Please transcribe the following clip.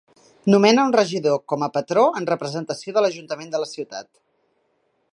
Nomene un regidor com a patró en representació de l'ajuntament de la ciutat.